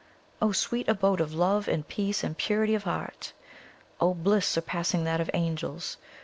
O sweet abode of love and peace and purity of heart! O bliss surpassing that of the angels!